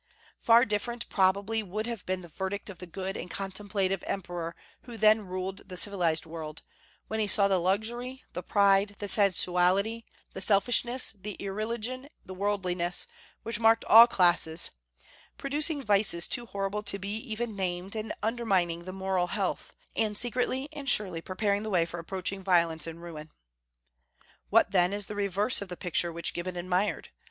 Far different, probably, would have been the verdict of the good and contemplative emperor who then ruled the civilized world, when he saw the luxury, the pride, the sensuality, the selfishness, the irreligion, the worldliness, which marked all classes; producing vices too horrible to be even named, and undermining the moral health, and secretly and surely preparing the way for approaching violence and ruin. What, then, is the reverse of the picture which Gibbon admired?